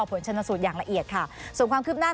ผลชนสูตรอย่างละเอียดค่ะส่วนความคืบหน้า